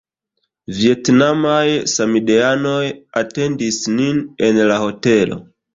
Vjetnamaj samideanoj atendis nin en la hotelo.